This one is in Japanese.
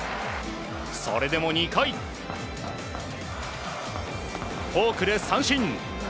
それでも２回、フォークで三振。